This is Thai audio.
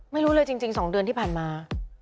ไม่รู้เลยจริง๒เดือนที่ผ่านมา